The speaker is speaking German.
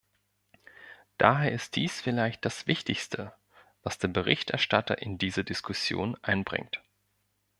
Daher ist dies vielleicht das Wichtigste, was der Berichterstatter in diese Diskussion einbringt.